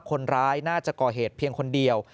คนร้ายน่าจะก่อเหตุเพียงคนเดียว